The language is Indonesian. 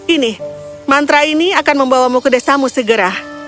ini mantra ini akan membawamu ke desamu segera